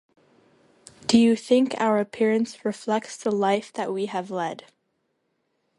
Do you think our appearance reflects the life that we have led?